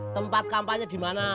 tempat kampanye dimana